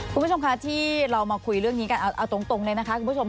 คุณผู้ชมคะที่เรามาคุยเรื่องนี้กันเอาตรงเลยนะคะคุณผู้ชม